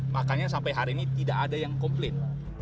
makanya sampai hari ini tidak ada yang komplain